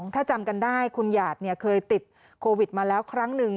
ถ้าจำกันได้คุณหยาดเคยติดโควิดมาแล้วครั้งหนึ่ง